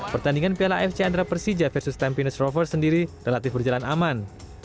pertandingan piala fc andra persija versus time venice rovers sendiri relatif berjalan aman